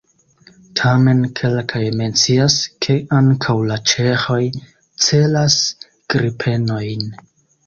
Tamen kelkaj mencias, ke ankaŭ la ĉeĥoj celas Gripenojn.